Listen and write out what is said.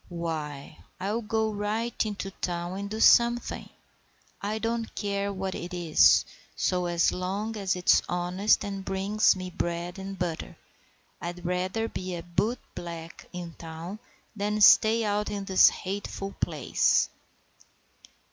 "Why, I'll go right into town and do something. I don't care what it is, so long as it's honest and it brings me bread and butter. I'd rather be a bootblack in town than stay out in this hateful place."